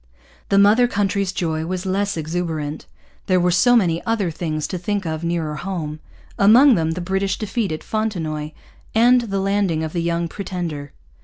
The mother country's joy was less exuberant. There were so many other things to think of nearer home; among them the British defeat at Fontenoy and the landing of the Young Pretender.